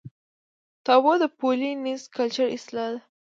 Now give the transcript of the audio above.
تابو د پولي نیزي کلچر اصطلاح ده.